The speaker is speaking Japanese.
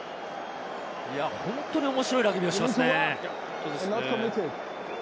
本当に面白いラグビーをしますね。